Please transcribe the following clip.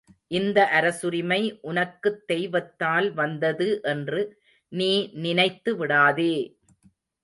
இந்த அரசுரிமை உனக்குத் தெய்வத்தால் வந்தது என்று நீ நினைத்து விடாதே!